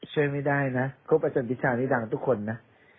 ช่วยไม่ได้นะเค้าประจำพิชานี้ดังทุกคนนะ